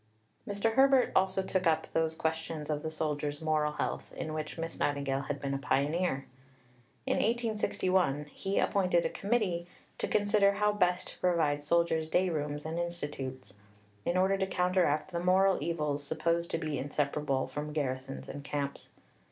Mr. Herbert also took up those questions of the soldier's moral health in which Miss Nightingale had been a pioneer. In 1861 he appointed a Committee to consider how best to provide soldiers' day rooms and institutes, in order to counteract the moral evils supposed to be inseparable from garrisons and camps.